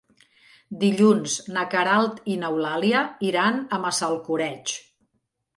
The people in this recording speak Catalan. Dilluns na Queralt i n'Eulàlia iran a Massalcoreig.